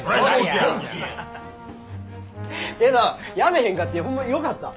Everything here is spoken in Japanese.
けどやめへんかってホンマよかった。